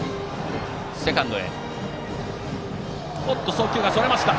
送球がそれました。